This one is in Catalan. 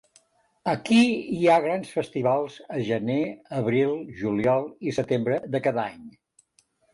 Aquí hi ha grans festivals a gener, abril, juliol i setembre de cada any.